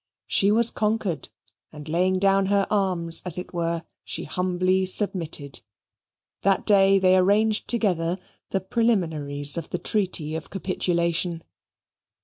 She was conquered, and laying down her arms, as it were, she humbly submitted. That day they arranged together the preliminaries of the treaty of capitulation.